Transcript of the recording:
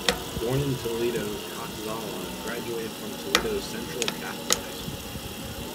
Born in Toledo, Kaczala graduated from Toledo's Central Catholic High School.